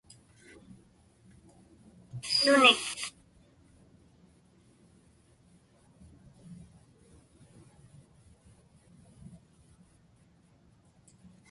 sunik